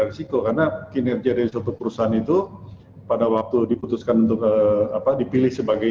risiko karena kinerja dari suatu perusahaan itu pada waktu diputuskan untuk apa dipilih sebagai